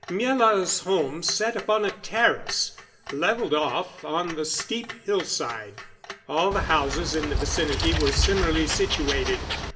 Miela's home sat upon a terrace, leveled off on the steep hillside; all the houses in the vicinity were similarly situated.